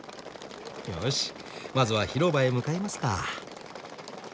よしまずは広場へ向かいますか。